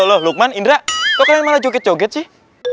loh lukman indra kok kalian malah joget joget sih